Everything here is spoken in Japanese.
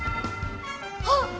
あっ！